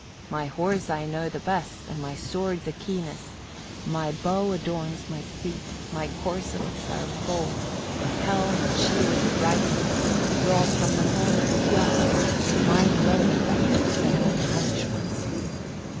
My horse I know the best, and my sword the keenest; my bow adorns my seat, my corslets are of gold, my helm and shield the brightest, brought from the hall of Kiar: mine alone are better than all the Hunnish ones.